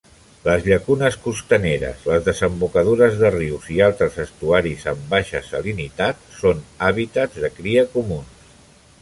Les llacunes costaneres, les desembocadures de rius i altres estuaris amb baixa salinitat són habitats de cria comuns.